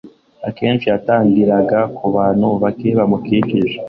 Akenshi yatangiriraga ku bantu bake bamukikije,